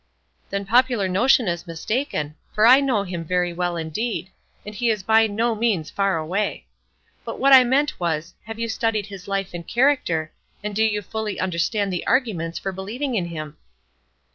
"Then popular notion is mistaken, for I know him very well indeed; and he is by no means far away. But what I meant was, Have you studied his life and character, and do you fully understand the arguments for believing in him?"